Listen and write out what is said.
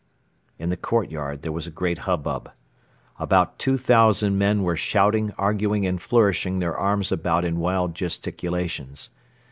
In the courtyard there was a great hubbub. About two thousand men were shouting, arguing and flourishing their arms about in wild gesticulations.